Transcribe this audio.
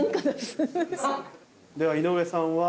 では井上さんは。